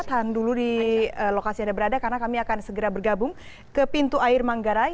tahan dulu di lokasi anda berada karena kami akan segera bergabung ke pintu air manggarai